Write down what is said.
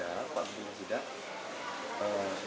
ayo malam malam kan dikontrol terus